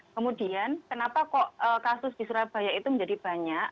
kemudian kenapa kok kasus di surabaya itu menjadi banyak